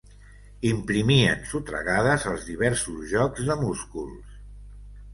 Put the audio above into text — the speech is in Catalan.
Imprimien sotragades als diversos jocs de músculs